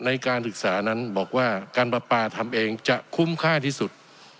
ในการศึกษานั้นบอกว่าการประปาทำเองจะคุ้มค่าที่สุด